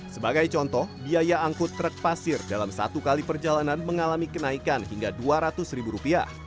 sebagai contoh biaya angkut truk pasir dalam satu kali perjalanan mengalami kenaikan hingga rp dua ratus ribu rupiah